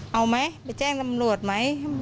เอาไหมไปแจ้งตำรวจไหม